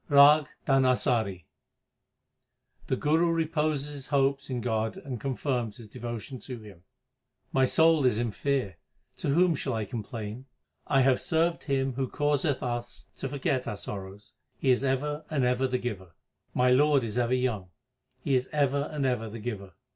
RAG DHANASARI The Guru reposes his hopes in God and confirms his devotion to Him : My soul is in fear ; to whom shall I complain ? I have served Him who causeth us to forget our sorrows ; He is ever and ever the Giver. My Lord is ever young ; He is ever and ever the Giver.